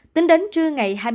tính đến trưa ngày